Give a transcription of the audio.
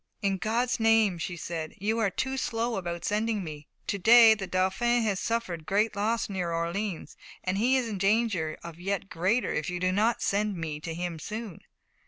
"In God's name," she said, "you are too slow about sending me. To day the Dauphin has suffered great loss near Orleans, and he is in danger of yet greater if you do not send me to him soon."